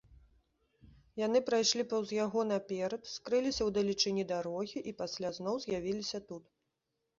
Яны прайшлі паўз яго наперад, скрыліся ў далечыні дарогі і пасля зноў з'явіліся тут.